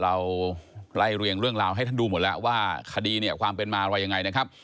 เราไล่เรียงเรื่องราวให้ท่านดูหมดแล้วว่าคดีเนี่ยความเป็นมาอะไรยังไงนะครับ